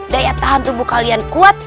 daya tahan tubuh kalian kuat